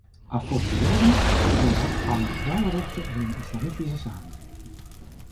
A fortiori in dat van de vrouwenrechten in een islamitische samenleving.